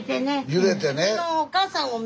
揺れてね。